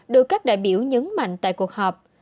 được các đại biểu nhấn mạnh tại cuộc họp